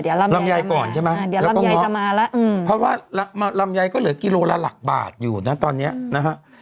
เดี๋ยวลำไยลำไยก่อนใช่ไหมเดี๋ยวลำไยจะมาแล้วเพราะว่าลำไยก็เหลือกิโลละหลักบาทอยู่นะตอนเนี้ยนะฮะ